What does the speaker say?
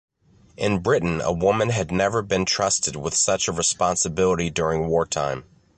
In Britain a woman had never been trusted with such a responsibility during wartime.